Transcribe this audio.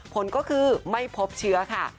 ผลก็คือไม่พบเชื้อค่ะ